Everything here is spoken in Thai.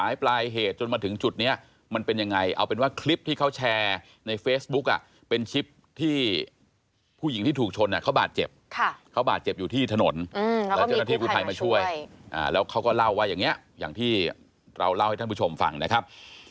อย่างที่เราเล่าให้ท่านผู้ชมฟังนะครับ